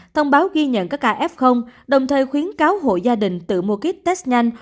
thông báo ghi nhận các ca f đồng thời khuyến cáo hộ gia đình tự mua kích test nhanh